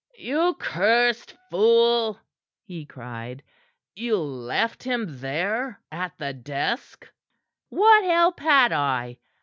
"You cursed fool!" he cried. "You left him there at the desk?" "What help had I?"